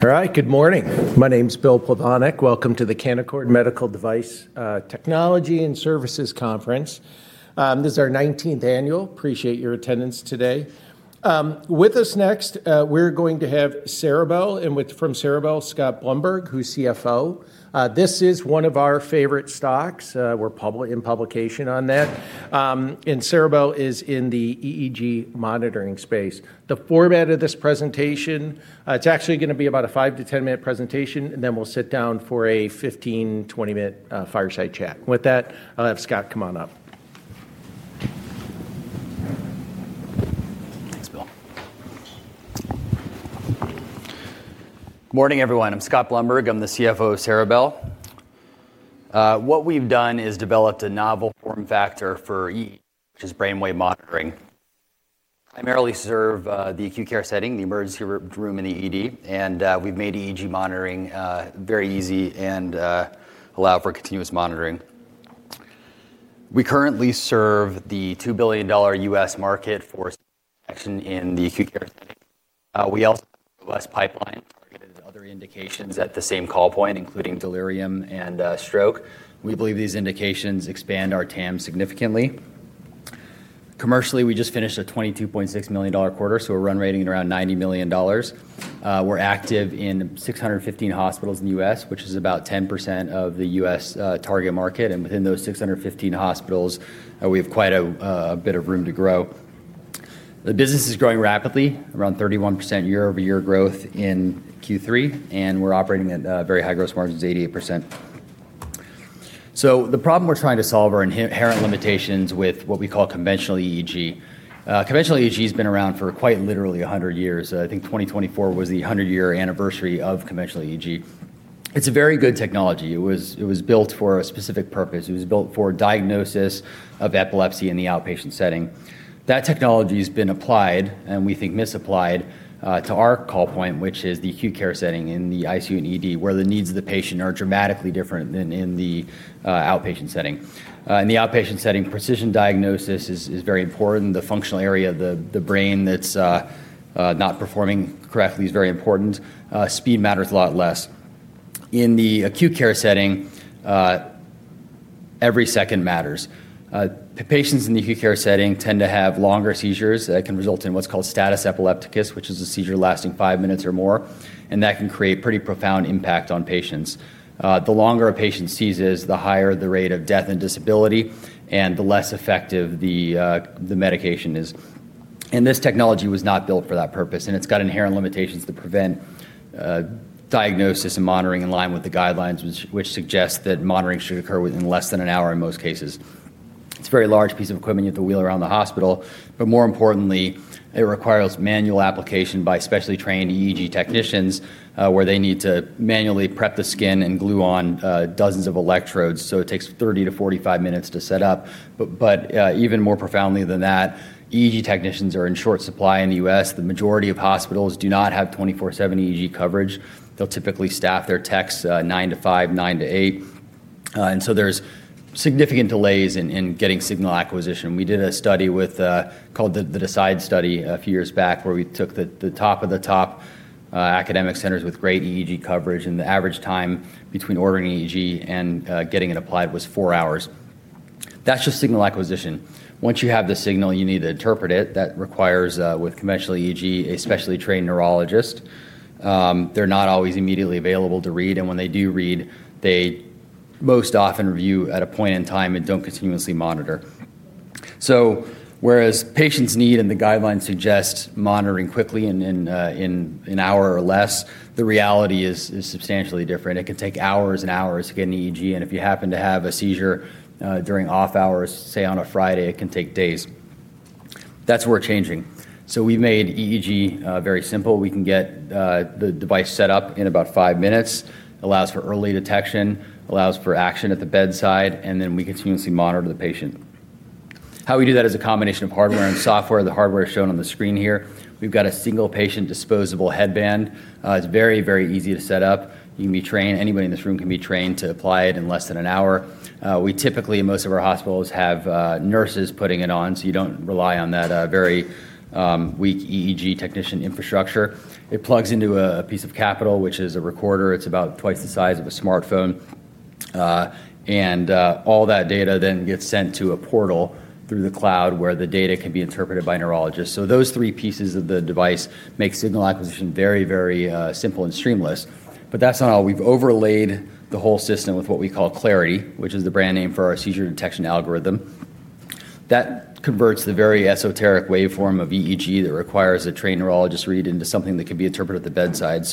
All right, good morning. My name's Bill Plovanic. Welcome to the Canaccord Medical Device Technology and Services Conference. This is our 19th annual. Appreciate your attendance today. With us next, we're going to have CeriBell and from CeriBell, Scott Blumberg, who's CFO. This is one of our favorite stocks. We're in publication on that. And CeriBell is in the EEG monitoring space. The format of this presentation, it's actually going to be about a five to ten minute presentation, and then we'll sit down for a 15-20 minute fireside chat. With that, I'll have Scott come on up. Thanks, Bill. Good morning, everyone. I'm Scott Blumberg. I'm the CFO of CeriBell. What we've done is developed a novel form factor for EEG, which is brainwave monitoring. Primarily serve the acute care setting, the emergency room and EEG, and we've made EEG monitoring very easy and allow for continuous monitoring. We currently serve the $2 billion US market for action in the acute care setting. We also have a pipeline targeted at other indications at the same call point, including delirium and stroke. We believe these indications expand our TAM significantly. Commercially, we just finished a $22.6 million quarter, so we're run rating at around $90 million. We're active in 615 hospitals in the US, which is about 10% of the US target market. Within those 615 hospitals, we have quite a bit of room to grow. The business is growing rapidly, around 31% year over year growth in Q3, and we're operating at very high gross margins, 88%. The problem we're trying to solve are inherent limitations with what we call conventional EEG. Conventional EEG has been around for quite literally 100 years. I think 2024 was the 100 year anniversary of conventional EEG. It's a very good technology. It was built for a specific purpose. It was built for diagnosis of epilepsy in the outpatient setting. That technology has been applied, and we think misapplied, to our call point, which is the acute care setting in the ICU and ED, where the needs of the patient are dramatically different than in the outpatient setting. In the outpatient setting, precision diagnosis is very important. The functional area of the brain that's not performing correctly is very important. Speed matters a lot less. In the acute care setting, every second matters. Patients in the acute care setting tend to have longer seizures that can result in what's called status epilepticus, which is a seizure lasting five minutes or more, and that can create pretty profound impact on patients. The longer a patient seizes, the higher the rate of death and disability, and the less effective the medication is. This technology was not built for that purpose, and it's got inherent limitations to prevent diagnosis and monitoring in line with the guidelines, which suggest that monitoring should occur within less than an hour in most cases. It's a very large piece of equipment. You have to wheel around the hospital, but more importantly, it requires manual application by specially trained EEG technicians, where they need to manually prep the skin and glue on dozens of electrodes. It takes 30 to 45 minutes to set up. Even more profoundly than that, EEG technicians are in short supply in the US. The majority of hospitals do not have 24/7 EEG coverage. They'll typically staff their techs nine to five, nine to eight. There are significant delays in getting signal acquisition. We did a study called the Decide Study a few years back, where we took the top of the top academic centers with great EEG coverage, and the average time between ordering EEG and getting it applied was four hours. That's just signal acquisition. Once you have the signal, you need to interpret it. That requires, with conventional EEG, a specially trained neurologist. They're not always immediately available to read, and when they do read, they most often review at a point in time and do not continuously monitor. Whereas patients need, and the guidelines suggest monitoring quickly in an hour or less, the reality is substantially different. It can take hours and hours to get an EEG, and if you happen to have a seizure during off hours, say on a Friday, it can take days. That's where we're changing. We've made EEG very simple. We can get the device set up in about five minutes. It allows for early detection, allows for action at the bedside, and then we continuously monitor the patient. How we do that is a combination of hardware and software. The hardware is shown on the screen here. We've got a single patient disposable headband. It's very, very easy to set up. You can be trained. Anybody in this room can be trained to apply it in less than an hour. We typically, in most of our hospitals, have nurses putting it on, so you do not rely on that very weak EEG technician infrastructure. It plugs into a piece of capital, which is a recorder. It is about twice the size of a smartphone. All that data then gets sent to a portal through the cloud where the data can be interpreted by neurologists. Those three pieces of the device make signal acquisition very, very simple and streamless. That is not all. We have overlaid the whole system with what we call Clarity, which is the brand name for our seizure detection algorithm. That converts the very esoteric waveform of EEG that requires a trained neurologist read into something that can be interpreted at the bedside.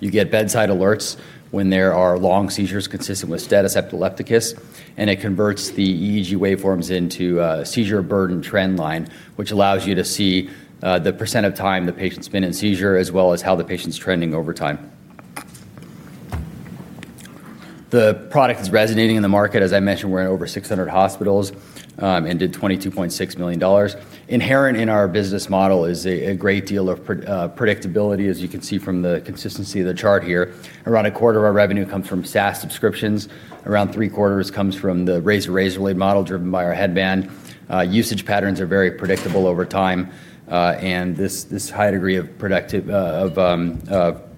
You get bedside alerts when there are long seizures consistent with status epilepticus, and it converts the EEG waveforms into a seizure burden trend line, which allows you to see the % of time the patient's been in seizure as well as how the patient's trending over time. The product is resonating in the market. As I mentioned, we're in over 600 hospitals and did $22.6 million. Inherent in our business model is a great deal of predictability, as you can see from the consistency of the chart here. Around a quarter of our revenue comes from SaaS subscriptions. Around three quarters comes from the raise-to-raise related model driven by our headband. Usage patterns are very predictable over time, and this high degree of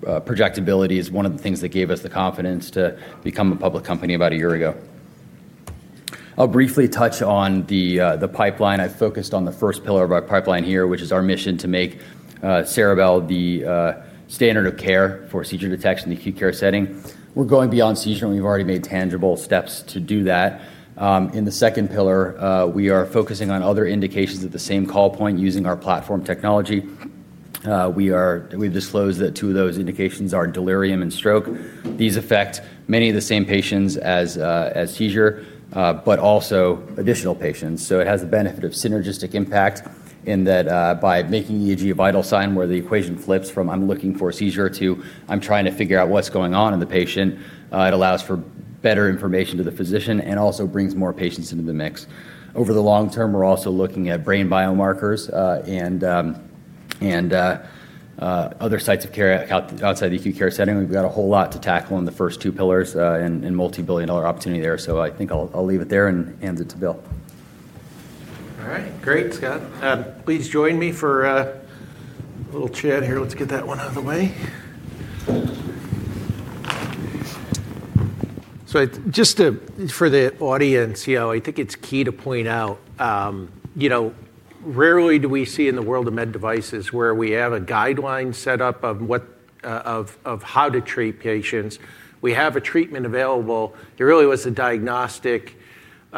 projectability is one of the things that gave us the confidence to become a public company about a year ago. I'll briefly touch on the pipeline. I focused on the first pillar of our pipeline here, which is our mission to make CeriBell the standard of care for seizure detection in the acute care setting. We're going beyond seizure, and we've already made tangible steps to do that. In the second pillar, we are focusing on other indications at the same call point using our platform technology. We have disclosed that two of those indications are delirium and stroke. These affect many of the same patients as seizure, but also additional patients. It has the benefit of synergistic impact in that by making EEG a vital sign where the equation flips from, "I'm looking for seizure," to, "I'm trying to figure out what's going on in the patient," it allows for better information to the physician and also brings more patients into the mix. Over the long term, we're also looking at brain biomarkers and other sites of care outside the acute care setting. We've got a whole lot to tackle in the first two pillars and multi-billion dollar opportunity there. I think I'll leave it there and hand it to Bill. All right. Great, Scott. Please join me for a little chat here. Let's get that one out of the way. Just for the audience, I think it's key to point out, rarely do we see in the world of med devices where we have a guideline set up of how to treat patients. We have a treatment available. There really was a diagnostic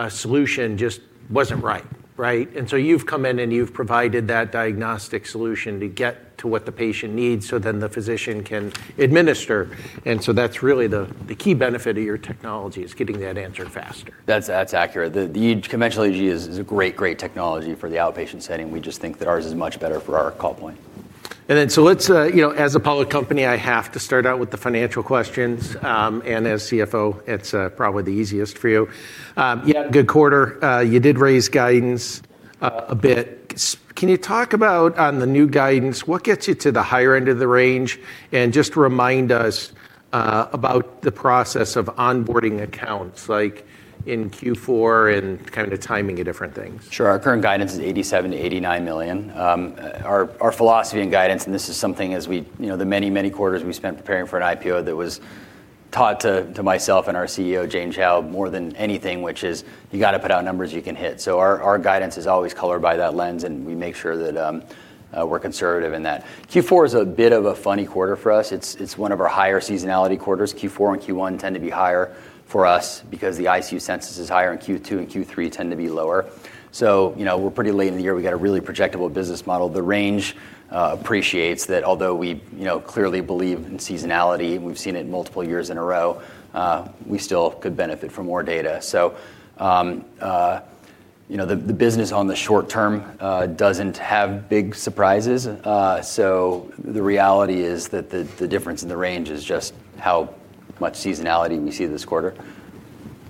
solution, just wasn't right, right? You've come in and you've provided that diagnostic solution to get to what the patient needs so the physician can administer. That's really the key benefit of your technology, getting that answer faster. That's accurate. The conventional EEG is a great, great technology for the outpatient setting. We just think that ours is much better for our call point. Let's, as a public company, I have to start out with the financial questions. As CFO, it's probably the easiest for you. Yeah, good quarter. You did raise guidance a bit. Can you talk about on the new guidance, what gets you to the higher end of the range and just remind us about the process of onboarding accounts like in Q4 and kind of timing of different things? Sure. Our current guidance is $87 million-$89 million. Our philosophy in guidance, and this is something as we, the many, many quarters we spent preparing for an IPO, that was taught to myself and our CEO, Jane Chao, more than anything, which is you got to put out numbers you can hit. So our guidance is always colored by that lens, and we make sure that we're conservative in that. Q4 is a bit of a funny quarter for us. It's one of our higher seasonality quarters. Q4 and Q1 tend to be higher for us because the ICU census is higher, and Q2 and Q3 tend to be lower. We're pretty late in the year. We've got a really projectable business model. The range appreciates that although we clearly believe in seasonality, we've seen it multiple years in a row, we still could benefit from more data. The business on the short term doesn't have big surprises. The reality is that the difference in the range is just how much seasonality we see this quarter.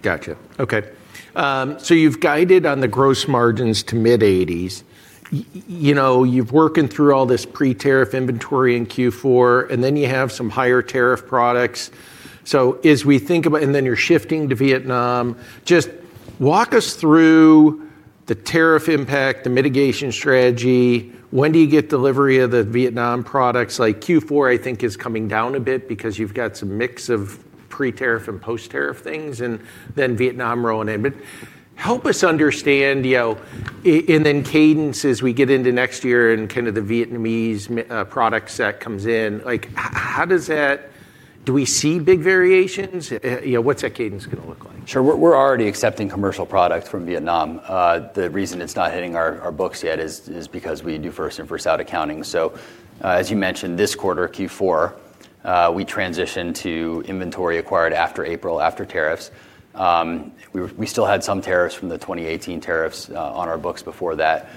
Gotcha. Okay. So you've guided on the gross margins to mid 80s. You've working through all this pre-tariff inventory in Q4, and then you have some higher tariff products. As we think about, and then you're shifting to Vietnam, just walk us through the tariff impact, the mitigation strategy. When do you get delivery of the Vietnam products? Like Q4, I think is coming down a bit because you've got some mix of pre-tariff and post-tariff things, and then Vietnam rolling in. Help us understand, and then cadence as we get into next year and kind of the Vietnamese product set comes in. Do we see big variations? What's that cadence going to look like? Sure. We're already accepting commercial products from Vietnam. The reason it's not hitting our books yet is because we do first in, first out accounting. As you mentioned, this quarter, Q4, we transitioned to inventory acquired after April, after tariffs. We still had some tariffs from the 2018 tariffs on our books before that.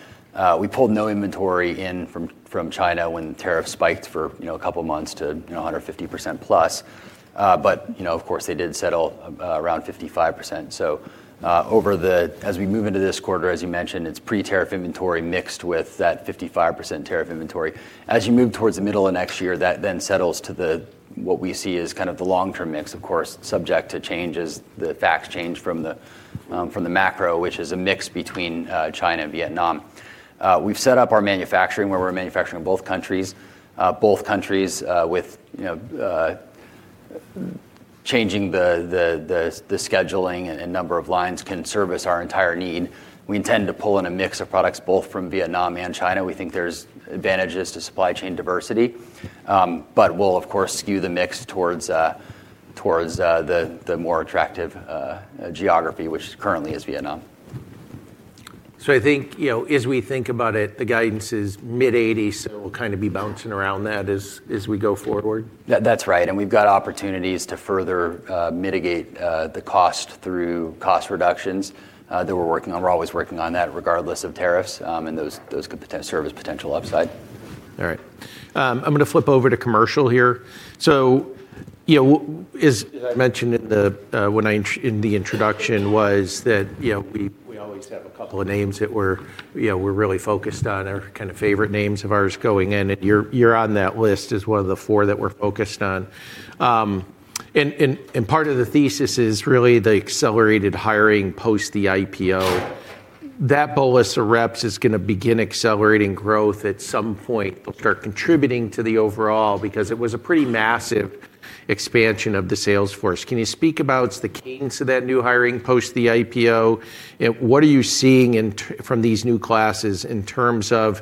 We pulled no inventory in from China when tariffs spiked for a couple of months to 150% plus. Of course, they did settle around 55%. As we move into this quarter, as you mentioned, it's pre-tariff inventory mixed with that 55% tariff inventory. As you move towards the middle of next year, that then settles to what we see as kind of the long-term mix, of course, subject to changes. The facts change from the macro, which is a mix between China and Vietnam. We've set up our manufacturing where we're manufacturing in both countries. Both countries, with changing the scheduling and number of lines, can service our entire need. We intend to pull in a mix of products both from Vietnam and China. We think there's advantages to supply chain diversity, but we'll, of course, skew the mix towards the more attractive geography, which currently is Vietnam. I think as we think about it, the guidance is mid 80s, so we'll kind of be bouncing around that as we go forward. That's right. We have opportunities to further mitigate the cost through cost reductions that we're working on. We're always working on that regardless of tariffs, and those could serve as potential upside. All right. I'm going to flip over to commercial here. As I mentioned in the introduction was that we always have a couple of names that we're really focused on, our kind of favorite names of ours going in. You're on that list as one of the four that we're focused on. Part of the thesis is really the accelerated hiring post the IPO. That bolus of reps is going to begin accelerating growth at some point. They'll start contributing to the overall because it was a pretty massive expansion of the sales force. Can you speak about the cadence of that new hiring post the IPO? What are you seeing from these new classes in terms of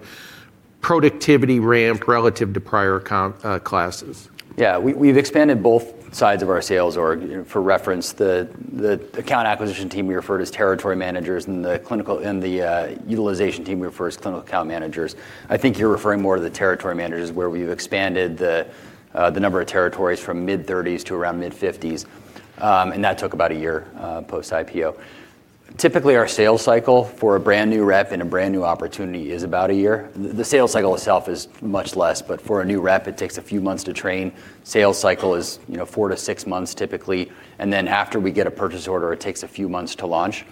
productivity ramp relative to prior classes? Yeah. We've expanded both sides of our sales org, for reference, the account acquisition team we refer to as territory managers, and the utilization team we refer to as clinical account managers. I think you're referring more to the territory managers where we've expanded the number of territories from mid 30s to around mid 50s. That took about a year post IPO. Typically, our sales cycle for a brand new rep and a brand new opportunity is about a year. The sales cycle itself is much less, but for a new rep, it takes a few months to train. Sales cycle is four to six months typically. After we get a purchase order, it takes a few months to launch.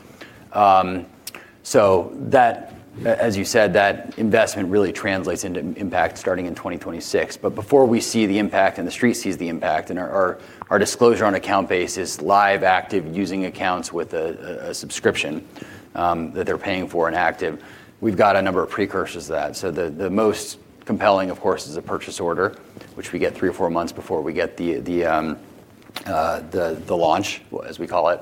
As you said, that investment really translates into impact starting in 2026. Before we see the impact and the street sees the impact, and our disclosure on account base is live, active, using accounts with a subscription that they're paying for and active. We've got a number of precursors to that. The most compelling, of course, is a purchase order, which we get three or four months before we get the launch, as we call it.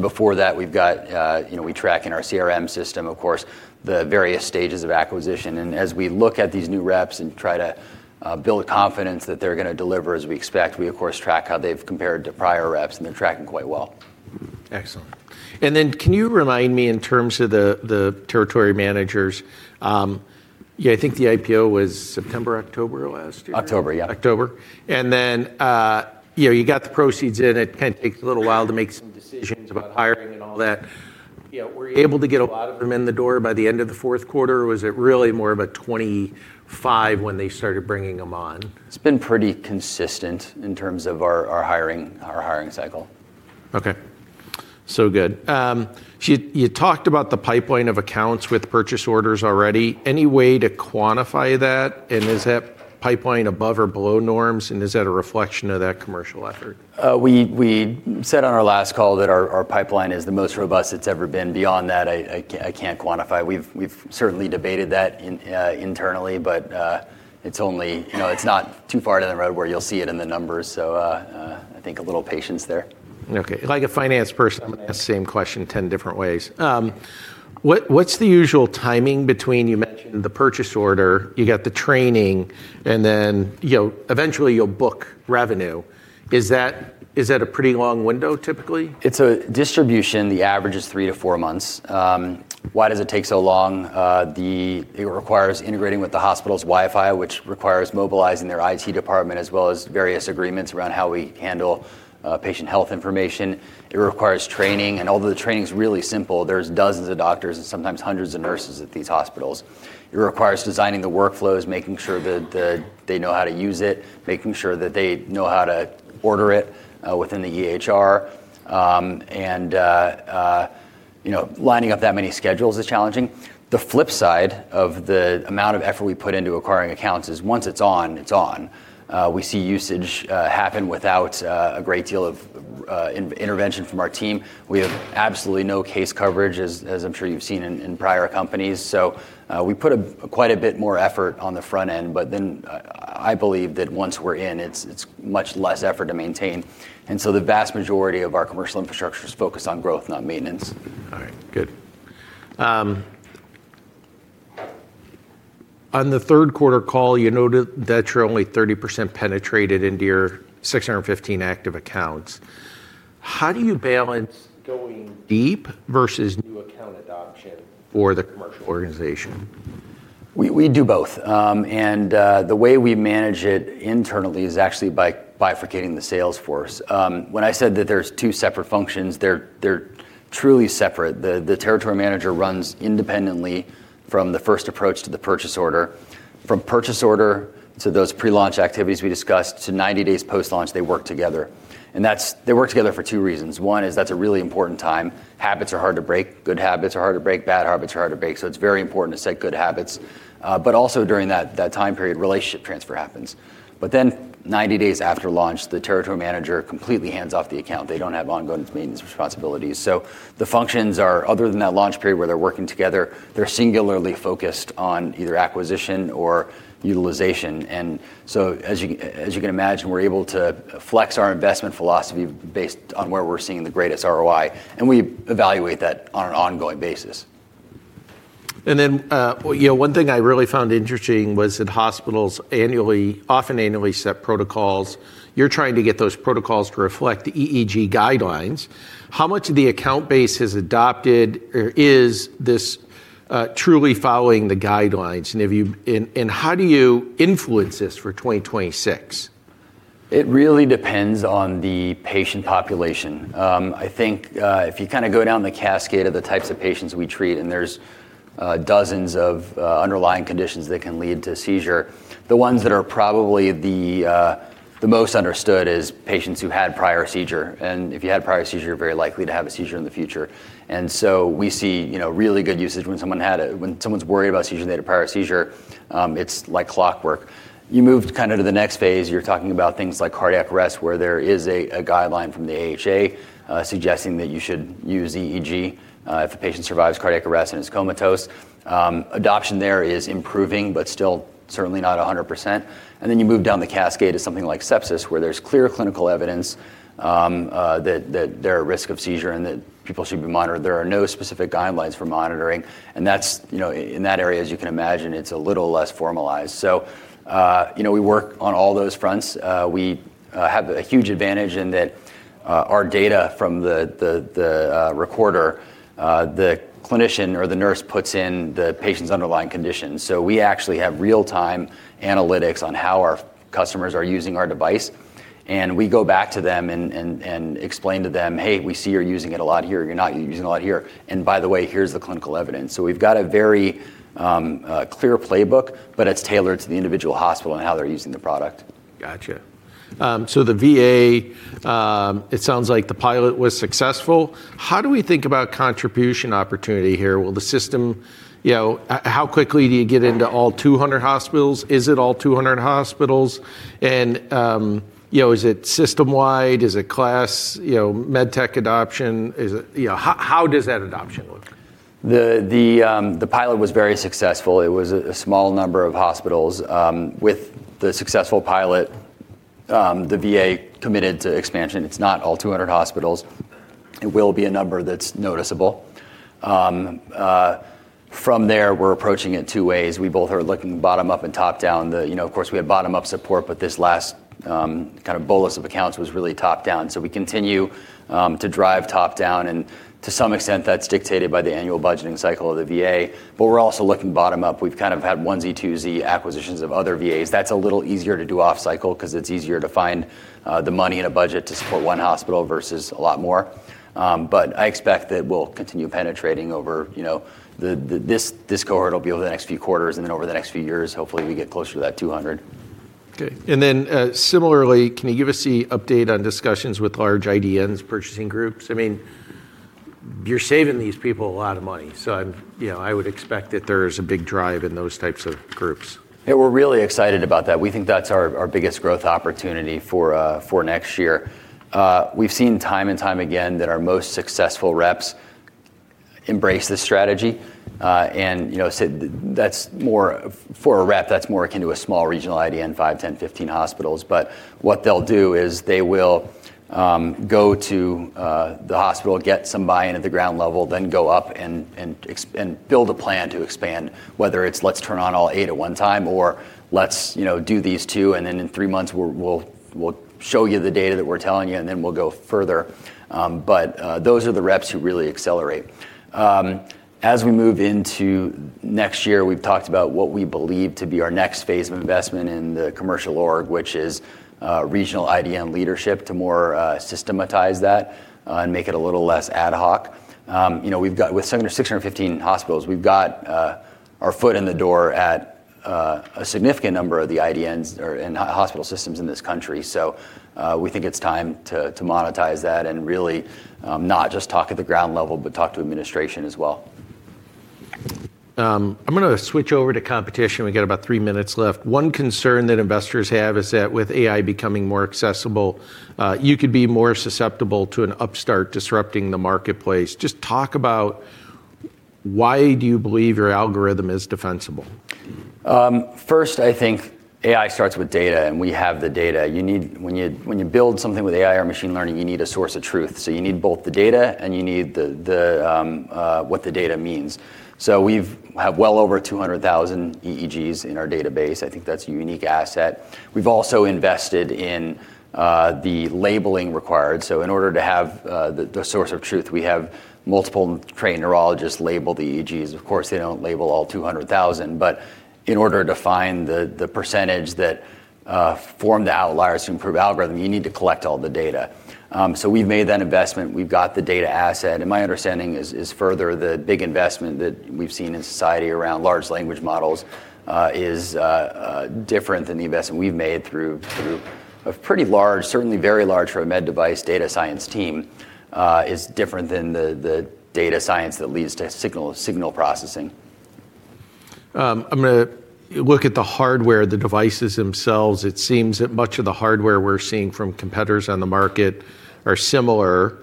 Before that, we track in our CRM system, of course, the various stages of acquisition. As we look at these new reps and try to build confidence that they're going to deliver as we expect, we, of course, track how they've compared to prior reps, and they're tracking quite well. Excellent. Can you remind me in terms of the territory managers? I think the IPO was September, October last year. October, yeah. October. And then you got the proceeds in, it kind of takes a little while to make some decisions about hiring and all that. Were you able to get a lot of them in the door by the end of the fourth quarter, or was it really more of a 2025 when they started bringing them on? It's been pretty consistent in terms of our hiring cycle. Okay. Good. You talked about the pipeline of accounts with purchase orders already. Any way to quantify that? Is that pipeline above or below norms, and is that a reflection of that commercial effort? We said on our last call that our pipeline is the most robust it's ever been. Beyond that, I can't quantify. We've certainly debated that internally, but it's not too far down the road where you'll see it in the numbers. I think a little patience there. Okay. Like a finance person, I'm going to ask the same question 10 different ways. What's the usual timing between you mentioned the purchase order, you got the training, and then eventually you'll book revenue? Is that a pretty long window typically? It's a distribution. The average is three to four months. Why does it take so long? It requires integrating with the hospital's Wi-Fi, which requires mobilizing their IT department as well as various agreements around how we handle patient health information. It requires training. And although the training is really simple, there's dozens of doctors and sometimes hundreds of nurses at these hospitals. It requires designing the workflows, making sure that they know how to use it, making sure that they know how to order it within the EHR. Lining up that many schedules is challenging. The flip side of the amount of effort we put into acquiring accounts is once it's on, it's on. We see usage happen without a great deal of intervention from our team. We have absolutely no case coverage, as I'm sure you've seen in prior companies. We put quite a bit more effort on the front end, but then I believe that once we're in, it's much less effort to maintain. The vast majority of our commercial infrastructure is focused on growth, not maintenance. All right. Good. On the third quarter call, you noted that you're only 30% penetrated into your 615 active accounts. How do you balance going deep versus new account adoption for the commercial organization? We do both. The way we manage it internally is actually by bifurcating the sales force. When I said that there's two separate functions, they're truly separate. The territory manager runs independently from the first approach to the purchase order. From purchase order to those pre-launch activities we discussed to 90 days post-launch, they work together. They work together for two reasons. One is that's a really important time. Habits are hard to break. Good habits are hard to break. Bad habits are hard to break. It is very important to set good habits. Also during that time period, relationship transfer happens. Ninety days after launch, the territory manager completely hands off the account. They do not have ongoing maintenance responsibilities. The functions are, other than that launch period where they're working together, singularly focused on either acquisition or utilization. As you can imagine, we're able to flex our investment philosophy based on where we're seeing the greatest ROI. We evaluate that on an ongoing basis. One thing I really found interesting was that hospitals often annually set protocols. You're trying to get those protocols to reflect the EEG guidelines. How much of the account base has adopted or is truly following the guidelines? How do you influence this for 2026? It really depends on the patient population. I think if you kind of go down the cascade of the types of patients we treat, and there are dozens of underlying conditions that can lead to seizure, the ones that are probably the most understood are patients who had prior seizure. And if you had prior seizure, you are very likely to have a seizure in the future. You see really good usage when someone is worried about seizure and they had a prior seizure. It is like clockwork. You move kind of to the next phase, you are talking about things like cardiac arrest where there is a guideline from the AHA suggesting that you should use EEG if a patient survives cardiac arrest and is comatose. Adoption there is improving, but still certainly not 100%. You move down the cascade to something like sepsis where there's clear clinical evidence that there are risks of seizure and that people should be monitored. There are no specific guidelines for monitoring. In that area, as you can imagine, it's a little less formalized. We work on all those fronts. We have a huge advantage in that our data from the recorder, the clinician or the nurse puts in the patient's underlying conditions. We actually have real-time analytics on how our customers are using our device. We go back to them and explain to them, "Hey, we see you're using it a lot here. You're not using it a lot here. And by the way, here's the clinical evidence." We've got a very clear playbook, but it's tailored to the individual hospital and how they're using the product. Gotcha. The VA, it sounds like the pilot was successful. How do we think about contribution opportunity here? Will the system, how quickly do you get into all 200 hospitals? Is it all 200 hospitals? Is it system-wide? Is it class med tech adoption? How does that adoption look? The pilot was very successful. It was a small number of hospitals. With the successful pilot, the VA committed to expansion. It's not all 200 hospitals. It will be a number that's noticeable. From there, we're approaching it two ways. We both are looking bottom up and top down. Of course, we have bottom up support, but this last kind of bolus of accounts was really top down. We continue to drive top down. To some extent, that's dictated by the annual budgeting cycle of the VA. We're also looking bottom up. We've kind of had 1Z, 2Z acquisitions of other VAs. That's a little easier to do off-cycle because it's easier to find the money in a budget to support one hospital versus a lot more. I expect that we'll continue penetrating over this cohort will be over the next few quarters. Over the next few years, hopefully we get closer to that 200. Okay. Similarly, can you give us the update on discussions with large IDNs, purchasing groups? I mean, you're saving these people a lot of money. I would expect that there is a big drive in those types of groups. Yeah. We're really excited about that. We think that's our biggest growth opportunity for next year. We've seen time and time again that our most successful reps embrace this strategy. That's more for a rep that's more akin to a small regional IDN, 5, 10, 15 hospitals. What they'll do is they will go to the hospital, get some buy-in at the ground level, then go up and build a plan to expand, whether it's let's turn on all eight at one time or let's do these two. In three months, we'll show you the data that we're telling you, and then we'll go further. Those are the reps who really accelerate. As we move into next year, we've talked about what we believe to be our next phase of investment in the commercial org, which is regional IDN leadership to more systematize that and make it a little less ad hoc. With 615 hospitals, we've got our foot in the door at a significant number of the IDNs and hospital systems in this country. We think it's time to monetize that and really not just talk at the ground level, but talk to administration as well. I'm going to switch over to competition. We got about three minutes left. One concern that investors have is that with AI becoming more accessible, you could be more susceptible to an upstart disrupting the marketplace. Just talk about why do you believe your algorithm is defensible? First, I think AI starts with data, and we have the data. When you build something with AI or machine learning, you need a source of truth. You need both the data and you need what the data means. We have well over 200,000 EEGs in our database. I think that's a unique asset. We've also invested in the labeling required. In order to have the source of truth, we have multiple trained neurologists label the EEGs. Of course, they don't label all 200,000. In order to find the percentage that form the outliers to improve algorithm, you need to collect all the data. We've made that investment. We've got the data asset. My understanding is further the big investment that we've seen in society around large language models is different than the investment we've made through a pretty large, certainly very large for a med device data science team, is different than the data science that leads to signal processing. I'm going to look at the hardware, the devices themselves. It seems that much of the hardware we're seeing from competitors on the market are similar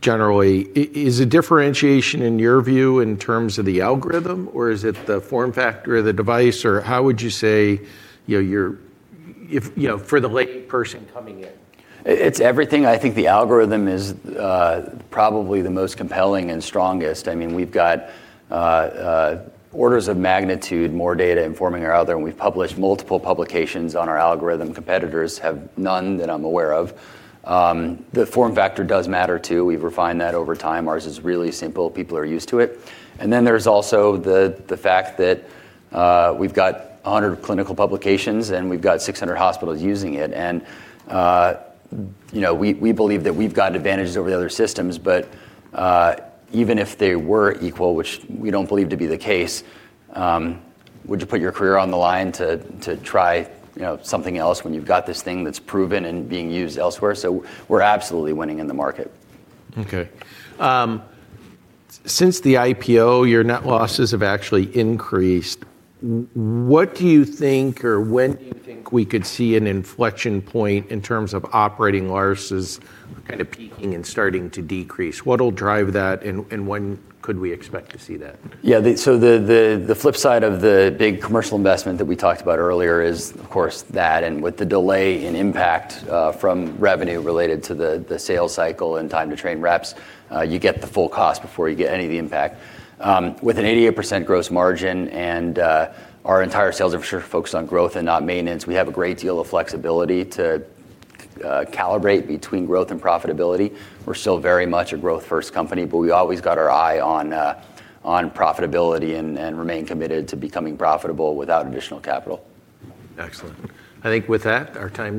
generally. Is a differentiation in your view in terms of the algorithm, or is it the form factor of the device, or how would you say for the lay person coming in? It's everything. I think the algorithm is probably the most compelling and strongest. I mean, we've got orders of magnitude more data informing our algorithm. We've published multiple publications on our algorithm. Competitors have none that I'm aware of. The form factor does matter too. We've refined that over time. Ours is really simple. People are used to it. There is also the fact that we've got 100 clinical publications and we've got 600 hospitals using it. We believe that we've got advantages over the other systems, but even if they were equal, which we don't believe to be the case, would you put your career on the line to try something else when you've got this thing that's proven and being used elsewhere? We are absolutely winning in the market. Okay. Since the IPO, your net losses have actually increased. What do you think or when do you think we could see an inflection point in terms of operating losses kind of peaking and starting to decrease? What will drive that, and when could we expect to see that? Yeah. The flip side of the big commercial investment that we talked about earlier is, of course, that. With the delay in impact from revenue related to the sales cycle and time to train reps, you get the full cost before you get any of the impact. With an 88% gross margin and our entire sales efforts are focused on growth and not maintenance, we have a great deal of flexibility to calibrate between growth and profitability. We're still very much a growth-first company, but we always got our eye on profitability and remain committed to becoming profitable without additional capital. Excellent. I think with that, our time's up.